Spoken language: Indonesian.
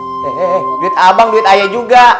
he he duit abang duit ayah juga